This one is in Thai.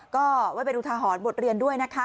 ก็ไว้ไปดูทาหอนบทเรียนด้วย